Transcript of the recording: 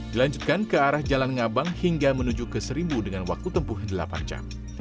dilanjutkan ke arah jalan ngabang hingga menuju ke seribu dengan waktu tempuh delapan jam